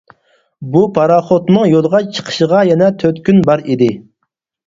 بۇ پاراخوتنىڭ يولغا چىقىشىغا يەنە تۆت كۈن بار ئىدى.